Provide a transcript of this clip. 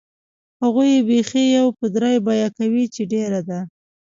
هغوی بیخي یو په درې بیه کوي چې ډېره ده.